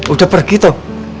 udah pergi tuh